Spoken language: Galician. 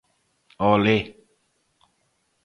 ¡Olé!